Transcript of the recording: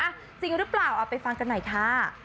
จริงหรือเปล่าเอาไปฟังกันหน่อยค่ะ